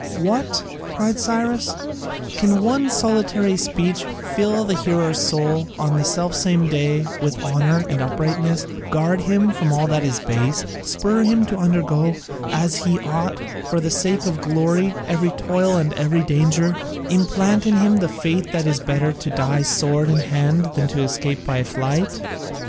"What!" cried Cyrus, "can one solitary speech fill the hearer's soul on the selfsame day with honour and uprightness, guard him from all that is base, spur him to undergo, as he ought, for the sake of glory every toil and every danger, implant in him the faith that it is better to die sword in hand than to escape by flight?